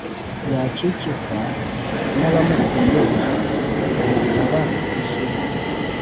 yakikizwa n'abamukwiye bukaba ijuru